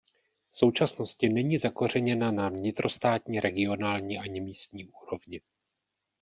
V současnosti není zakořeněna na vnitrostátní, regionální ani místní úrovni.